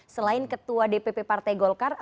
selain ketua dpp partai golkar